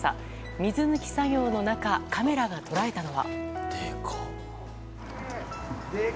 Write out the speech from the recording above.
水抜き作業の中カメラが捉えたのは。